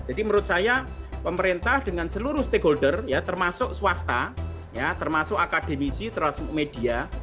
jadi menurut saya pemerintah dengan seluruh stakeholder termasuk swasta termasuk akademisi teras media